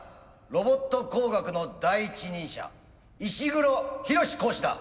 ロボット工学の第一人者石黒浩講師だ。